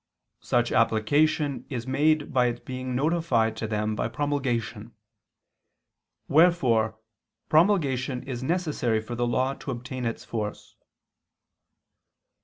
Such application is made by its being notified to them by promulgation. Wherefore promulgation is necessary for the law to obtain its force.